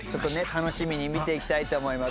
楽しみに見ていきたいと思います。